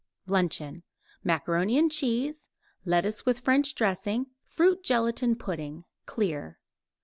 LUNCHEON Macaroni and cheese; lettuce with French dressing; fruit gelatine pudding (clear).